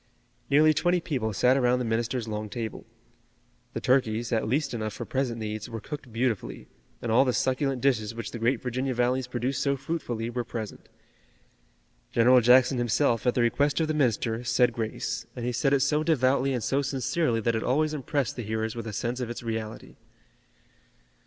Nearly twenty people sat around the minister's long table. The turkeys, at least enough for present needs, were cooked beautifully, and all the succulent dishes which the great Virginia valleys produce so fruitfully were present. General Jackson himself, at the request of the minister, said grace, and he said it so devoutly and so sincerely that it always impressed the hearers with a sense of its reality.